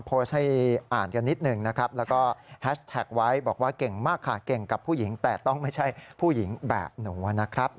โพสต์ให้อ่านกันนิดนึงนะครับ